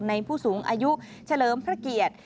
ผู้สูงอายุเฉลิมพระเกียรติ